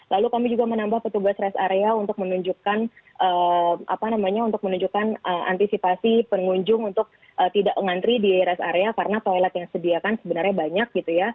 lalu kami juga menambah petugas rest area untuk menunjukkan antisipasi pengunjung untuk tidak ngantri di rest area karena toilet yang sediakan sebenarnya banyak